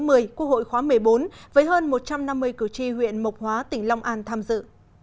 quốc hội khóa một mươi bốn với hơn một trăm năm mươi cử tri huyện mộc hóa tỉnh long an tham dự